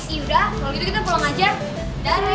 iya udah kalau gitu kita pulang aja